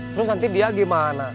terus nanti dia gimana